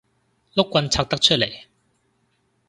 碌棍拆得出嚟